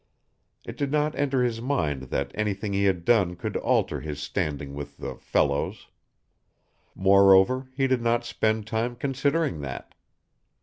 It did not enter his mind that anything he had done could alter his standing with the "fellows." Moreover, he did not spend time considering that.